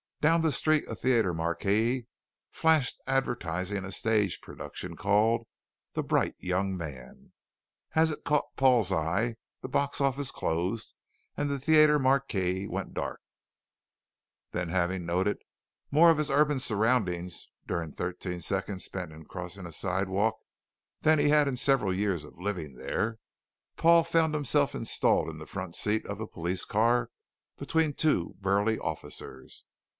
Down the street a theatre marquee flashed, advertising a stage production called 'The Bright Young Man!' As it caught Paul's eye, the box office closed and the theatre marquee went dark Then having noted more of his urban surroundings during thirteen seconds spent in crossing a sidewalk than he had in several years of living there, Paul found himself installed in the front seat of the police car between two burly officers.